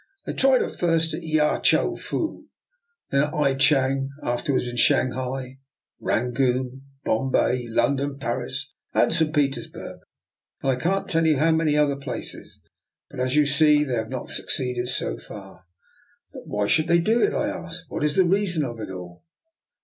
They tried it first at Ya Chow Fu, then at I chang, afterward in Shanghai, Rangoon, Bom bay, London, Paris, and St. Petersburg, and I can't tell you how many other places; but as you see they have not succeeded so far." "But why should they do it?" I asked. " What is the reason of it all?